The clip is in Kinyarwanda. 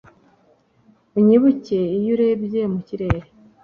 unyibuke iyo urebye mu kirere